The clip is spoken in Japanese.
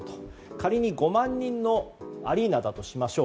仮に５万人のアリーナだとしましょう。